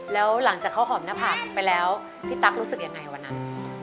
แล้วหลังจากเขาหอมหน้าผากไปแล้วพี่ตั๊กรู้สึกยังไงวันนั้น